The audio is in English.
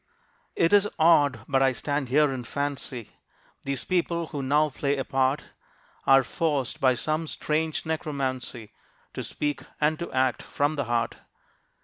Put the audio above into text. It is odd, but I stand here and fancy These people who now play a part, All forced by some strange necromancy To speak, and to act, from the heart.